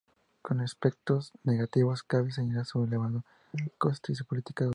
Como aspectos negativos cabe señalar su elevado coste y su política de código cerrado.